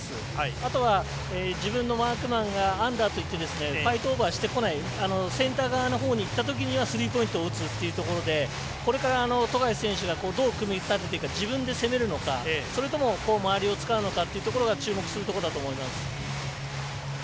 あとは、自分のマークマンがアンダーといってファイトオーバーしてこないセンター側のほうにいったときにはスリーポイントを打つというところでこれから富樫選手がどう組み立てていくか自分が攻めるのかそれとも周りを使うのかというところが注目するところだと思います。